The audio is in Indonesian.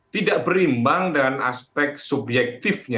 tidak berimbang dengan aspek subjektifnya